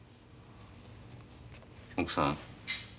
奥さん。